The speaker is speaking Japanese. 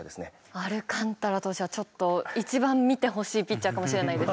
アルカンタラ投手はちょっと一番見てほしいピッチャーかもしれないです。